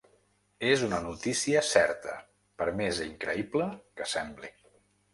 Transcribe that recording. És una notícia certa, per més increïble que sembli.